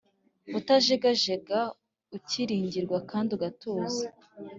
utajegajega, ukiringirwa kandi ugatuza,